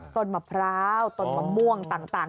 ต้นมะพร้าวต้นมะม่วงต่าง